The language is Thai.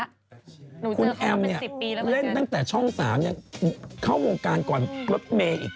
หนูเจอเขาเป็น๑๐ปีแล้วโดยเงินคุณแอมป์เนี่ยเล่นตั้งแต่ช่อง๓เนี่ยเข้าวงการก่อนกลับเมฆอีก